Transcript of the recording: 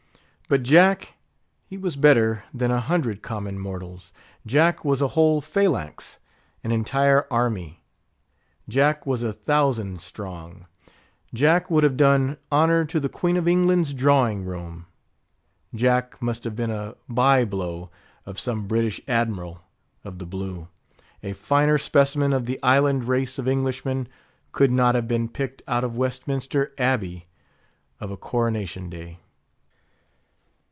But Jack, he was better than a hundred common mortals; Jack was a whole phalanx, an entire army; Jack was a thousand strong; Jack would have done honour to the Queen of England's drawing room; Jack must have been a by blow of some British Admiral of the Blue. A finer specimen of the island race of Englishmen could not have been picked out of Westminster Abbey of a coronation day.